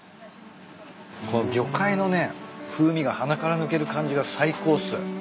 この魚介のね風味が鼻から抜ける感じが最高っす。